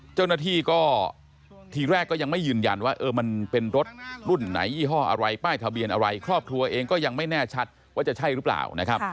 เจ้าหน้าที่ก็ทีแรกก็ยังไม่ยืนยันว่ามันเป็นรถรุ่นไหนยี่ห้ออะไรป้ายทะเบียนอะไรครอบครัวเองก็ยังไม่แน่ชัดว่าจะใช่หรือเปล่านะครับ